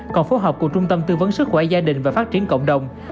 còn phố học của trung tâm tư vấn sức khỏe gia đình và phát triển cộng đồng